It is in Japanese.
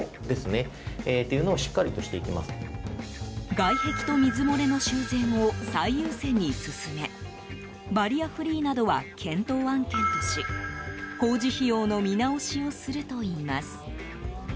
外壁と水漏れの修繕を最優先に進めバリアフリーなどは検討案件とし工事費用の見直しをするといいます。